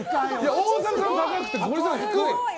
大迫さんが高くてゴリエさんが低い。